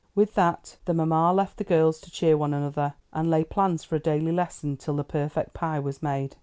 With that the mamma left the girls to cheer one another, and lay plans for a daily lesson till the perfect pie was made.